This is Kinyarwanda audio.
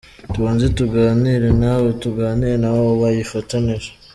Tubanze tuganire nawe, tuganire n’abo bayifatanije.